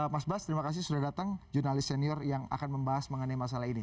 mas bas terima kasih sudah datang jurnalis senior yang akan membahas mengenai masalah ini